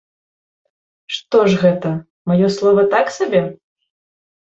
Што ж гэта, маё слова так сабе?